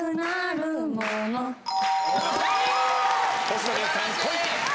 星野源さん『恋』